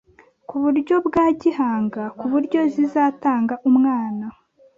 ku buryo bwa gihanga ku buryo zizatanga umwana